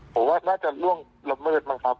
ผมว่าน่าจะล่วงละเมิดบ้างครับ